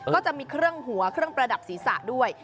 ก็จะมีเครื่องหัวเครื่องประดับศีรษะด้วย